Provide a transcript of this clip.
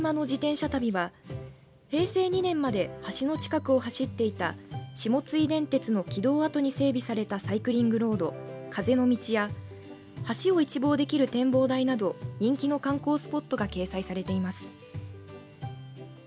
しゃ旅は平成２年まで橋の近くを走っていた下津井電鉄の軌道跡に整備されたサイクリングロード風の道や橋を一望できる展望台など人気の観光スポットが掲載されています。